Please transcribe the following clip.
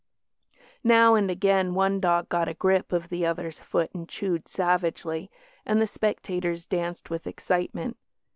Now and again one dog got a grip of the other's foot and chewed savagely, and the spectators danced with excitement.